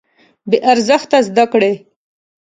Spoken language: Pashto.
بې ارزښته زده کړې.